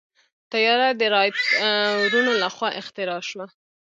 طیاره د رائټ وروڼو لخوا اختراع شوه.